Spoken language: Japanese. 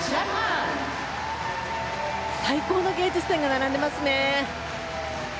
最高の芸術点が並んでいますね。